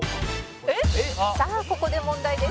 「さあここで問題です」